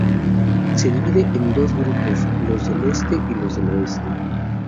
Se divide en dos grupos, los del este y los del oeste.